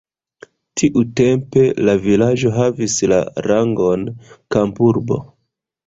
Tiutempe la vilaĝo havis la rangon kampurbo.